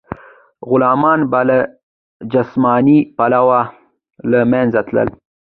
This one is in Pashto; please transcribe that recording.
غلامان به له جسماني پلوه له منځه تلل.